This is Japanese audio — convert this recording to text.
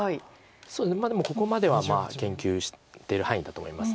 まあでもここまでは研究してる範囲だと思います。